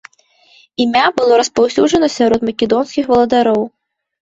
Імя было распаўсюджана сярод македонскіх валадароў.